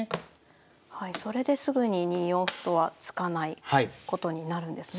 それですぐに２四歩とは突かないことになるんですね。